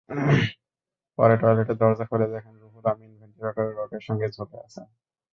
পরে টয়লেটের দরজা খুলে দেখেন, রুহুল আমিন ভেন্টিলেটরের রডের সঙ্গে ঝুলে আছেন।